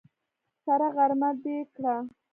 سره غرمه دې کړه!